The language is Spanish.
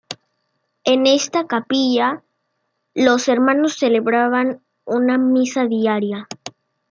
En esta capilla, los hermanos celebraban una misa diaria.